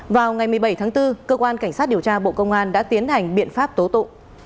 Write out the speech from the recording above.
vào ngày một mươi bảy tháng bốn cơ quan cảnh sát điều tra bộ công an đã tiến hành biện pháp tố tụ